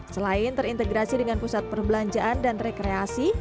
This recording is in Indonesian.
selain terintegrasi dengan pusat perbelanjaan dan rekreasi